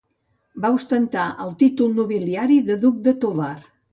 Va ostentar el títol nobiliari de duc de Tovar.